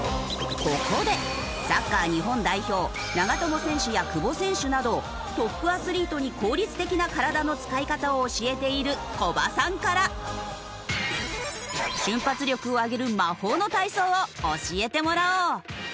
ここでサッカー日本代表長友選手や久保選手などトップアスリートに効率的な体の使い方を教えている木場さんから。を教えてもらおう。